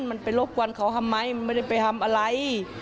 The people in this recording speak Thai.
มันไปรบกวนเขาทำไมมันไม่ได้ไปทำอะไร